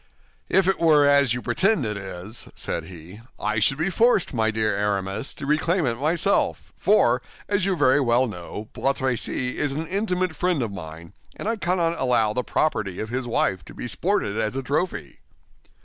"If it were as you pretend it is," said he, "I should be forced, my dear Aramis, to reclaim it myself; for, as you very well know, Bois Tracy is an intimate friend of mine, and I cannot allow the property of his wife to be sported as a trophy."